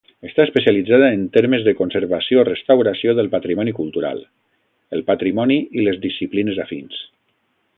Està especialitzada en temes de conservació-restauració del patrimoni cultural, el patrimoni i les disciplines afins.